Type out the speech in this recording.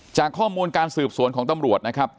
จากข้อมูลการสืบสวนของตำรวจนะครับ